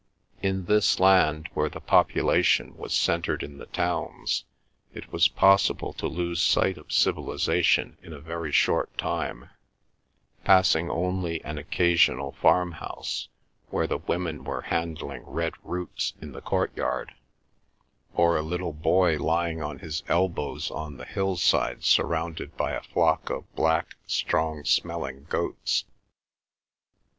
In this land where the population was centred in the towns it was possible to lose sight of civilisation in a very short time, passing only an occasional farmhouse, where the women were handling red roots in the courtyard; or a little boy lying on his elbows on the hillside surrounded by a flock of black strong smelling goats.